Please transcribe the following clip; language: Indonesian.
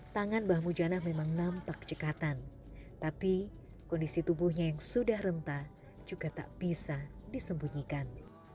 tangan mbah mujana memang nampak cekatan tapi kondisi tubuhnya yang sudah rentah juga tak bisa disembunyikan